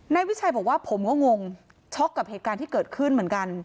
นายวิชัยบอกว่าผมก็งงช็อกกับเหตุการณ์ที่เกิดขึ้นเหมือนกัน